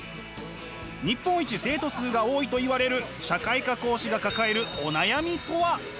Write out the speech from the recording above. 日本一生徒数が多いといわれる社会科講師が抱えるお悩みとは？